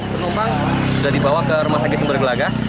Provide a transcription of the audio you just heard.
penumpang sudah dibawa ke rumah sakit sumber gelaga